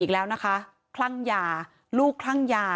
อีกแล้วนะคะคลั่งยาลูกคลั่งยา